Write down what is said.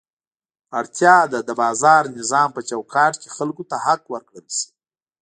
اړتیا ده د بازار نظام په چوکاټ کې خلکو ته حق ورکړل شي.